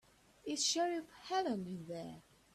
Is Sheriff Helen in there?